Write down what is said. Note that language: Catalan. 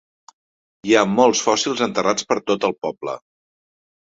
Hi ha molts fòssils enterrats per tot el poble.